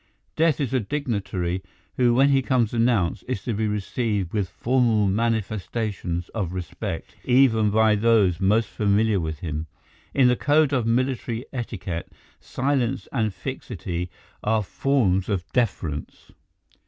Death is a dignitary who when he comes announced is to be received with formal manifestations of respect, even by those most familiar with him. In the code of military etiquette silence and fixity are forms of deference.